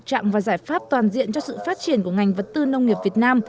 trạng và giải pháp toàn diện cho sự phát triển của ngành vật tư nông nghiệp việt nam